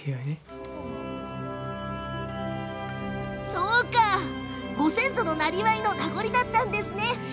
そうか、ご先祖のなりわいの名残だったんですね。